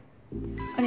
あれ？